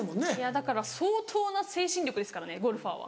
だから相当な精神力ですからねゴルファーは。